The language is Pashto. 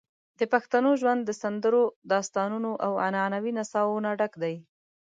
د پښتنو ژوند د سندرو، داستانونو، او عنعنوي نڅاوو نه ډک دی.